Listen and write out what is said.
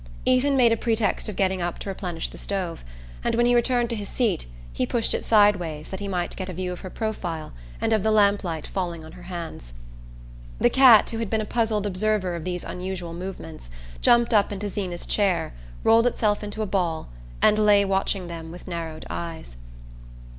Ethan made a pretext of getting up to replenish the stove, and when he returned to his seat he pushed it sideways that he might get a view of her profile and of the lamplight falling on her hands. The cat, who had been a puzzled observer of these unusual movements, jumped up into Zeena's chair, rolled itself into a ball, and lay watching them with narrowed eyes.